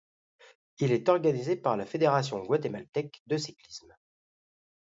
Il est organisé par la fédération guatémaltèque de cyclisme.